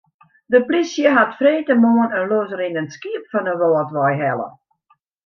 De plysje hat freedtemoarn in losrinnend skiep fan de Wâldwei helle.